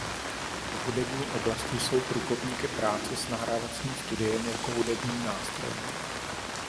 V hudební oblasti jsou průkopníky práce s nahrávacím studiem jako hudebním nástrojem.